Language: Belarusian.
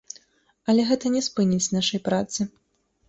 Але гэта не спыніць нашай працы.